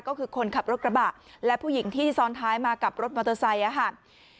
ก็คือคนขับรถกระบะและผู้หญิงที่ซ้อนท้ายมากับรถมอเตอร์ไซค์ค่ะ